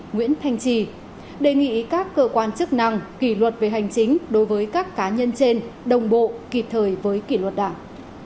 nguyễn thanh trì đề nghị các cơ quan chức năng kỷ luật về hành chính đối với các cá nhân trên đồng bộ kịp thời với kỷ luật đảng